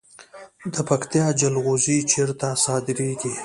د پکتیا جلغوزي چیرته صادریږي؟